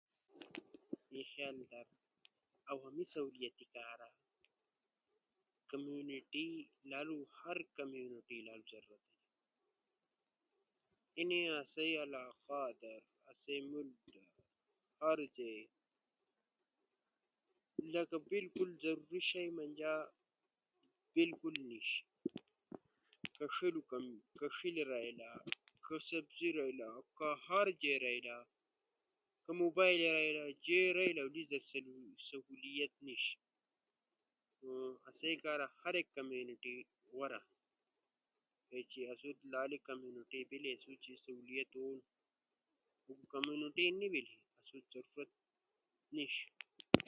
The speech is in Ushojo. مثال در عوامی سہولیاتی کارا کمیونٹی لالو ہر کمیونٹی لالو ضرورت تھیم۔ اینی آسئی علاقہ در آسئی ملک در ہر جے لکہ بالکل ضروری شیئی منجا بالکل نیِش۔ کہ ݜیلو رئیلا، کہ چپسی رئیلا، کہ ہر جے رئیلا، کہ موبائل جے رئیلا لیس در سی سہولت نیِش۔ نو آسئی کارا ہر ایک کمیونٹی غورا ہنو۔ چی اسئی لالو کمیونٹی بیلی تی آسو سہولت تھیم، کمیونٹی نی بیلی آسو ضرورت نیِش۔